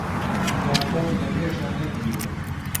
دیاکۆم لەمێژە نەدیوە